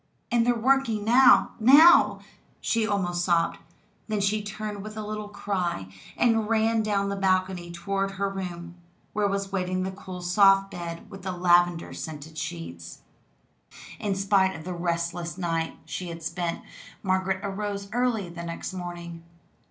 "And they're working now now!" she almost sobbed; then she turned with a little cry and ran down the balcony toward her room where was waiting the cool soft bed with the lavender scented sheets. In spite of the restless night she had spent, Margaret arose early the next morning.